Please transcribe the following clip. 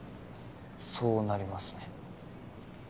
そうなりますね。